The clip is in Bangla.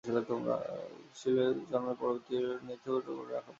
এগুলি ছিল খ্রিস্টের জন্মের পরবর্তী ব্রিটেনের ইতিহাস নথিবদ্ধ করে রাখার একটি প্রয়াস।